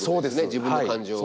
自分の感情を。